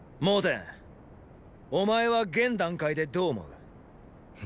蒙恬お前は現段階でどう思う？？